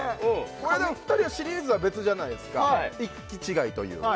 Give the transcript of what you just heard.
これでも２人はシリーズは別じゃないすかはいはい１期違いというか